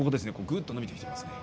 ぐっと伸びてきていますね。